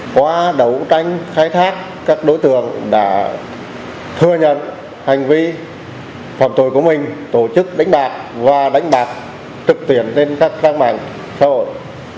qua đấu tranh khai thác các đối tượng đã thừa nhận hành vi phòng tội của mình tổ chức đánh bạc và đánh bạc trực tuyến trên các trang mạng xã hội